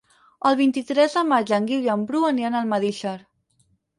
El vint-i-tres de maig en Guiu i en Bru aniran a Almedíxer.